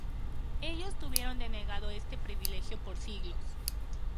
Ellos tuvieron denegado este privilegio por siglos.